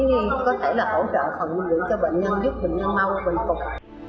như có thể là hỗ trợ phần nguyên liệu cho bệnh nhân giúp bệnh nhân mau bình phục